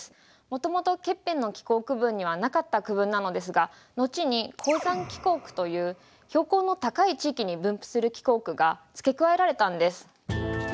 もともとケッペンの気候区分にはなかった区分なのですが後に高山気候区という標高の高い地域に分布する気候区が付け加えられたんです。